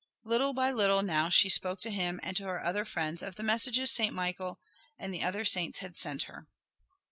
Little by little now she spoke to him and to her other friends of the messages Saint Michael and the other saints had sent her.